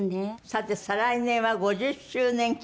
さて再来年は５０周年記念。